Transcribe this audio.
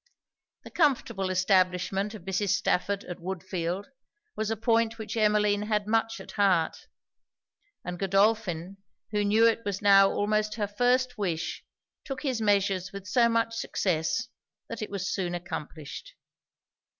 The comfortable establishment of Mrs. Stafford at Woodfield, was a point which Emmeline had much at heart; and Godolphin, who knew it was now almost her first wish, took his measures with so much success, that it was soon accomplished.